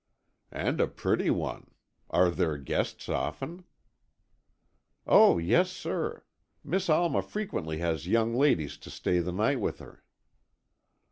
"And a pretty one. Are there guests often?" "Oh, yes, sir. Miss Alma frequently has young ladies to stay the night with her."